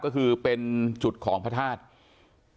ก็คือเป็นจุดของพระธาตุ